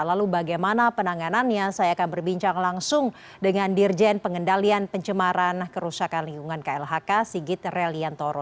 lalu bagaimana penanganannya saya akan berbincang langsung dengan dirjen pengendalian pencemaran kerusakan lingkungan klhk sigit reliantoro